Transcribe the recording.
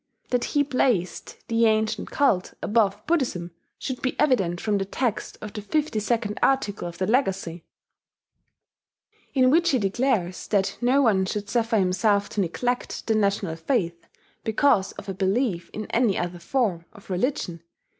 That he placed the ancient cult above Buddhism should be evident from the text of the 52d article of the Legacy, in which he declares that no one should suffer himself to neglect the national faith because of a belief in any other form of religion.